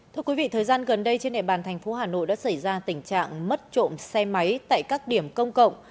thưa quý vị thời gian gần đây trên địa bàn thành phố hà nội đã xảy ra tình trạng mất trộm xe máy tại các điểm công cộng